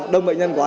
đông bệnh nhân quá